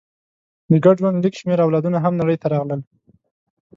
د ګډ ژوند لږ شمېر اولادونه هم نړۍ ته راغلل.